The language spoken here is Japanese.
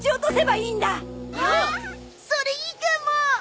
それいいかも！